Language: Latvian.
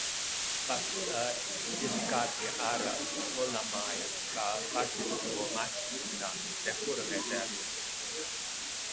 Pats izkāpj ārā, nolamājas, ka fašistu mašīna nekur neder.